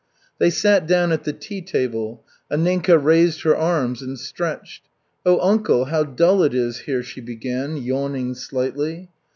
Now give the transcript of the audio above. They sat down at the tea table. Anninka raised her arms and stretched. "Oh, uncle, how dull it is here!" she began, yawning slightly.